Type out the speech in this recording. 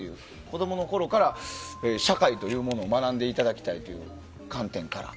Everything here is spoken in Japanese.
子供のころから社会というものを学んでいただきたいという観点から。